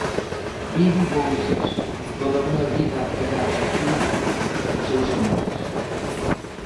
Bibi Bouzas, toda unha vida apegada ao club dos seus amores.